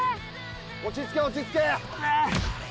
落ち着け落ち着け